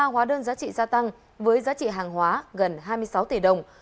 ba hóa đơn giá trị gia tăng với giá trị hàng hóa gần hai mươi sáu tỷ đồng